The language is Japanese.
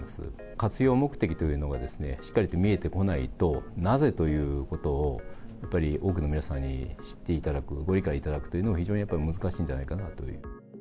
活用目的というのがしっかりと見えてこないと、なぜということを、やっぱり多くの皆さんに知っていただく、ご理解いただくというのも、非常にやっぱり難しいんじゃないかなという。